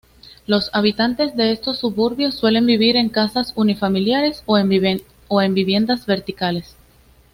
Los habitantes de estos suburbios suelen vivir en casas unifamiliares o en viviendas verticales.